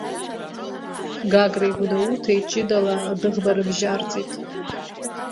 Гагреи Гәдоуҭеи ҷыдала адәыӷба рыбжьарҵеит.